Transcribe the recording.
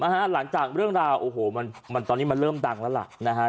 หลังจากเรื่องราวโอ้โหมันตอนนี้มันเริ่มดังแล้วล่ะนะฮะ